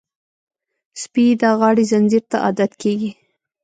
سپي د غاړې زنځیر ته عادت کېږي.